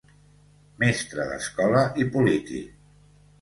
Mestre d'escola i polític.